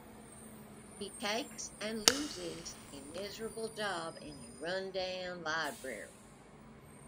He takes and loses a miserable job in a run-down library.